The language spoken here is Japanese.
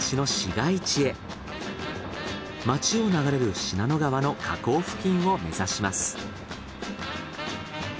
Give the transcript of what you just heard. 街を流れる信濃川の河口付近を目指します。